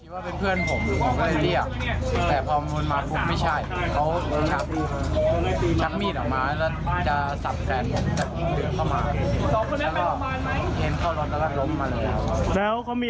วิจักร